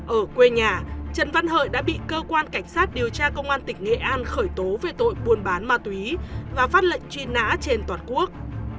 ở quê nhà trần văn hợi đã bị cơ quan cảnh sát điều tra công an tỉnh nghệ an khởi tố về tội buôn bán ma túy và phát lệnh truy nã trên toàn quốc